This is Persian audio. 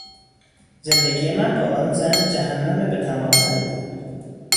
زندگی من با آن زن جهنم به تمام معنی بود.